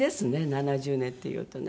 ７０年っていうとね。